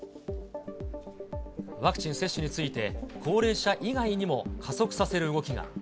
ワクチン接種について、高齢者以外にも、加速させる動きが。